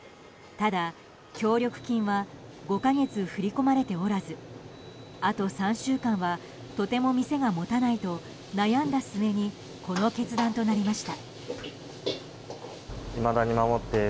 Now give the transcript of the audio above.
ただ、協力金は５か月振り込まれておらずあと３週間はとても店が持たないと悩んだ末にこの決断となりました。